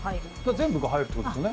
全部が入るってことですよね。